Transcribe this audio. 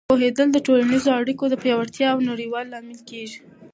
پوهېدل د ټولنیزو اړیکو د پیاوړتیا او یووالي لامل کېږي.